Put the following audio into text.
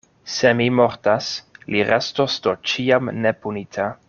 Se mi mortas, li restos do ĉiam nepunita.